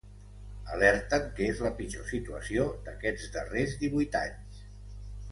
Alerten que és la pitjor situació d’aquests darrers divuit anys.